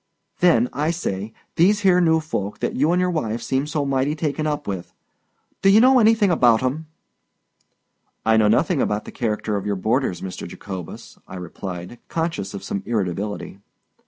"Then—I say—these here new folk that you 'n' your wife seem so mighty taken up with—d'ye know anything about 'em?" "I know nothing about the character of your boarders, Mr. Jacobus," I replied, conscious of some irritability.